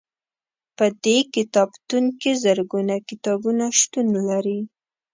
په دې کتابتون کې زرګونه کتابونه شتون لري.